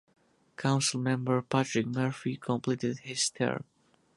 Council member Patrick Murphy completed his term.